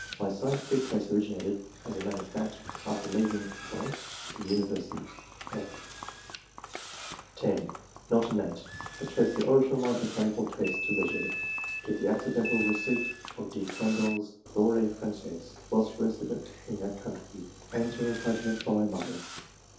My scientific tastes originated, as a matter of fact, after leaving .... [the uni versity]." (/) (10) " Not innate. I trace the origin of my botanical tastes to leisure ; to the accidental receipt of De CandoUe's * Flore franjaise,' whilst resident in that country ; and to encouragement from my mother.